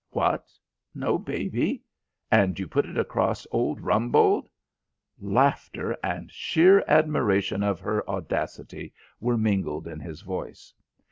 "What? No baby? And you put it across old Rumbold?" Laughter and sheer admiration of her audacity were mingled in his voice.